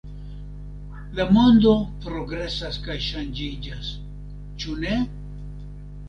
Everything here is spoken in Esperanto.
La mondo progresas kaj ŝanĝiĝas, ĉu ne?